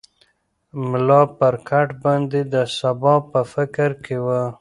ملا پر کټ باندې د سبا په فکر کې و.